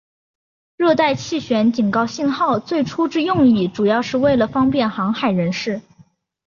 热带气旋警告信号最初之用意主要是为了方便航海人士。